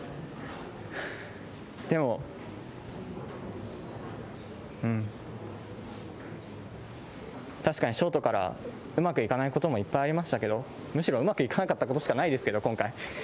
でも、うん、確かにショートから、うまくいかないこともいっぱいありましたけど、むしろうまくいかなかったことしかないですけど、今回。